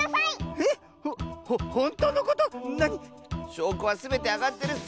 しょうこはすべてあがってるッス！